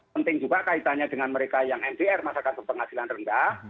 penting juga kaitannya dengan mereka yang mdr masyarakat berpenghasilan rendah